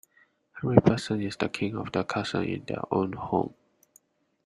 Every person is the king of the castle in their own home.